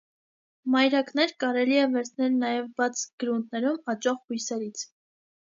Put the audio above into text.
Մայրակներ կարելի է վերցնել նաև բաց գրունտում աճող բույսերից։